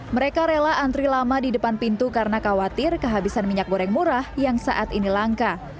mereka rela antri lama di depan pintu karena khawatir kehabisan minyak goreng murah yang saat ini langka